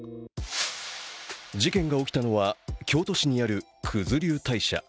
事件が起きたのは京都市にある九頭竜大社。